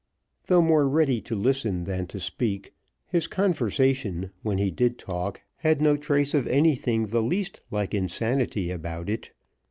Though more ready to listen than to speak, his conversation, when he did talk, had no trace of anything the least like insanity about it.